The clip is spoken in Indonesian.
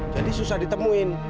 jadi susah ditemuin